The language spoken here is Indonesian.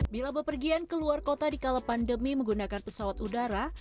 bila bepergian keluar kota dikala pandemi menggunakan pesawat udara